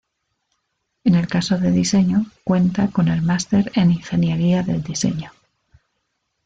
En el caso de Diseño cuenta con el Máster en Ingeniería del Diseño.